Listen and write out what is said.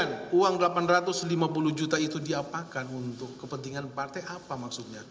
rp lima puluh juta itu diapakan untuk kepentingan partai apa maksudnya